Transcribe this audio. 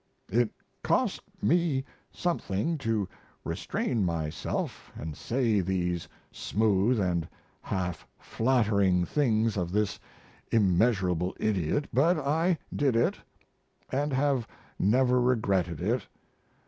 It cost me something to restrain myself and say these smooth & half flattering things of this immeasurable idiot, but I did it, & have never regretted it.